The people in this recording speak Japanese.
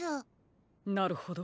なるほど。